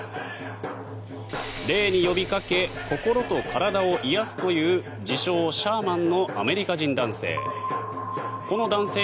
霊に呼びかけ心と体を癒やすという自称・シャーマンのアメリカ人男性。